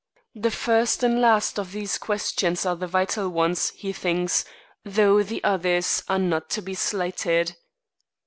The first and last of these questions are the vital ones, he thinks, though the others are not to be slighted.